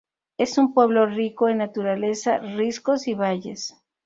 Es un pueblo rico en naturaleza, riscos y valles.